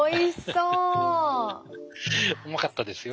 うまかったですよ。